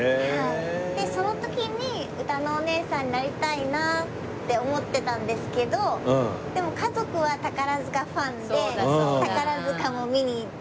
でその時にうたのおねえさんになりたいなって思ってたんですけどでも家族は宝塚ファンで宝塚も見に行ってて。